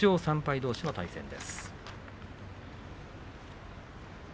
どうしの対戦です。